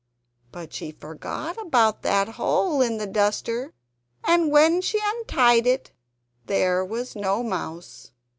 But she forgot about that hole in the duster; and when she untied it there was no Mouse!